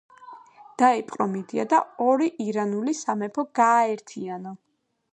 დაიპყრო მიდია და ორი ირანული სამეფო გააერთიანა.